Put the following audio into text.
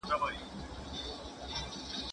¬ شل سره خيشتوي، يو لا نه خريي.